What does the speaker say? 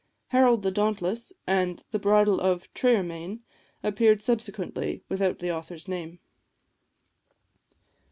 "Harold the Dauntless," and "The Bridal of Triermain," appeared subsequently, without the author's name.